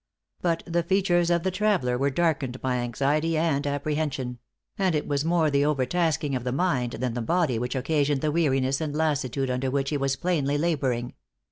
But the features of the traveller were darkened by anxiety and apprehension; and it was more the overtasking of the mind than the body which occasioned the weariness and lassitude under which he was plainly laboring.